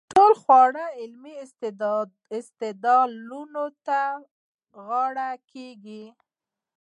ټولې خواوې علمي استدلال ته غاړه کېږدي.